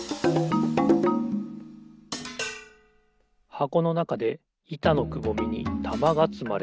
はこのなかでいたのくぼみにたまがつまれる。